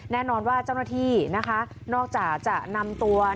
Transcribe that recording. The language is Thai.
แน่นอนว่าเจ้าหน้าที่นะคะนอกจากจะนำตัว